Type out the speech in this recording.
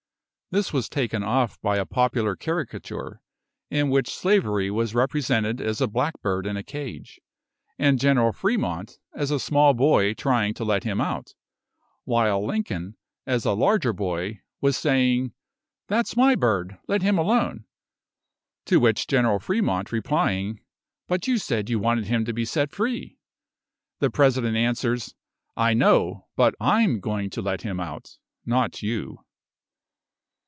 This was taken off by a popular caricature, in which slavery was represented as a blackbird in a cage, and General Fremont as a small boy trying to let him out, while Lincoln, as a larger boy, was saying, "That's my bird let him alone." To which General Fremont replying, "But you said you wanted him to be set free," the President answers, "I know; but I'm going to let him out not you."